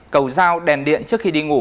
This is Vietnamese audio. cầu dao đèn điện trước khi đi ngủ